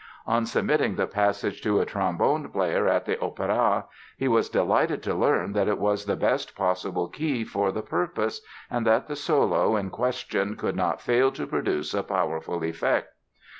On submitting the passage to a trombone player at the Opéra he was delighted to learn that it was the best possible key for the purpose and that the solo in question could not fail to produce a powerful effect.